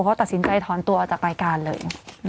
เขาตัดสินใจถอนตัวออกจากรายการเลย